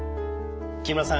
木村さん